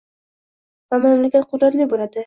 Va mamlakat qudratli bo‘ladi.